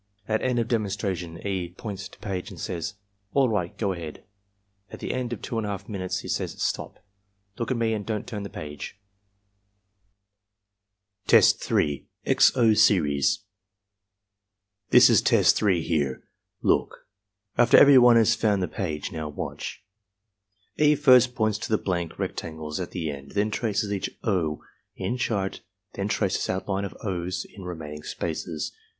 At end of demonstration E. points to page and says, "All right. Go ahead." At the end of 2Vi8 minutes he says, "StopI look at me and don't timi the page." EXAMINER'S GUIDE 85 Test 3.— X 0 Series "This is Test 3 here. Look." After everyone has found the page — "Now watch." E. first points to the blank rectangles at the end, then traces each "O" in chart, then traces outline of "O's" in remaining spaces.